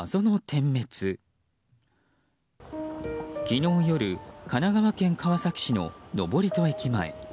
昨日夜神奈川県川崎市の登戸駅前。